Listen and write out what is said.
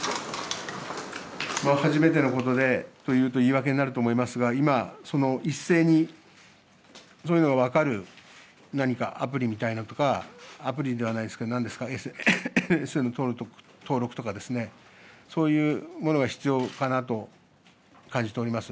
初めてのことで、そういうと言い訳になると思いますが、今、一斉にそういうのが分かる何かアプリみたいのとか、アプリではないんですけど、なんですか、ＳＮＳの登録とか、そういうものが必要かなと感じております。